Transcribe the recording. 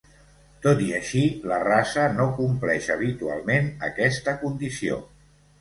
Tot i així, la raça no compleix habitualment aquesta condició.